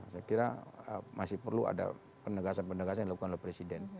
saya kira masih perlu ada penegasan penegasan yang dilakukan oleh presiden